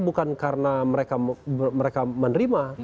bukan karena mereka menerima